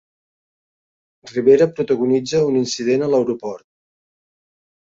Rivera protagonitza un incident a l'aeroport